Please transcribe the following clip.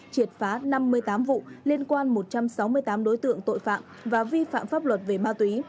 triệt phá năm mươi tám vụ liên quan một trăm sáu mươi tám đối tượng tội phạm và vi phạm pháp luật về ma túy